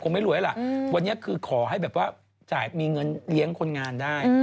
ไม่รวยล่ะวันนี้คือขอให้แบบว่าจ่ายมีเงินเลี้ยงคนงานได้